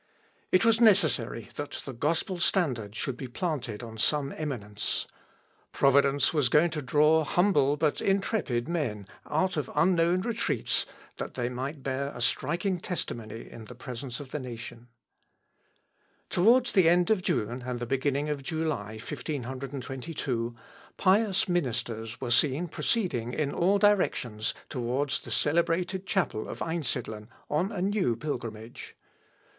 It was necessary that the gospel standard should be planted on some eminence. Providence was going to draw humble but intrepid men out of unknown retreats that they might bear a striking testimony in presence of the nation. [Sidenote: MEETING AT EINSIDLEN.] Towards the end of June and the beginning of July, 1522, pious ministers were seen proceeding in all directions towards the celebrated chapel of Einsidlen on a new pilgrimage.